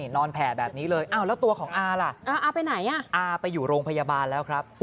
แผ่แบบนี้เลยแล้วตัวของอาล่ะอาไปไหนอ่ะอาไปอยู่โรงพยาบาลแล้วครับ